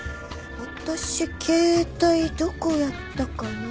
私携帯どこやったかな？